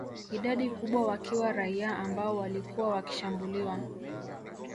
Idadi kubwa wakiwa raia ambao walikuwa wakishambuliwa